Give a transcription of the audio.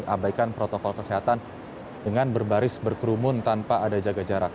abaikan protokol kesehatan dengan berbaris berkerumun tanpa ada jaga jarak